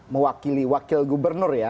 mewakili wakil gubernur ya